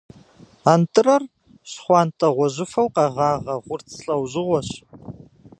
Антӏырэр щхъуантӏэ-гъуэжьыфэу къэгъагъэ гъурц лӏэужьыгъуэщ.